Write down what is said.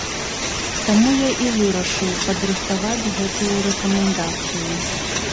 Таму я і вырашыў падрыхтаваць гэтую рэкамендацыю.